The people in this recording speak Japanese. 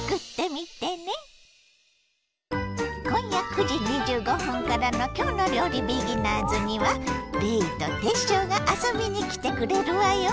今夜９時２５分からの「きょうの料理ビギナーズ」にはレイとテッショウがあそびに来てくれるわよ。